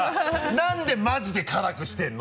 なんでマジで辛くしてるの？